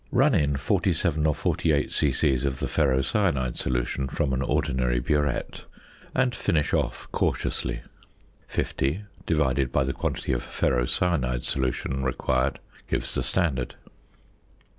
Run in 47 or 48 c.c. of the "ferrocyanide" solution from an ordinary burette, and finish off cautiously. Fifty divided by the quantity of "ferrocyanide" solution required gives the standard.